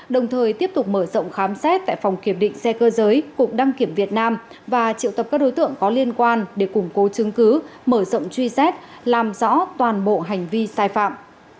đồng thời tiếp tục mở rộng khám xét tại phòng kiểm định xe cơ giới cục đăng kiểm việt nam và triệu tập các đối tượng có liên quan để củng cố chứng cứ mở rộng truy xét làm rõ toàn bộ hành vi sai phạm